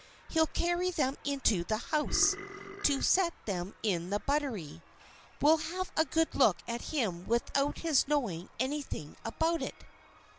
He'll carry them into the house, to set them in the buttery. We'll have a good look at him without his knowing anything about it."